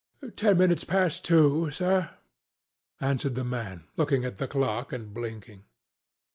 "Ten minutes past two, sir," answered the man, looking at the clock and blinking.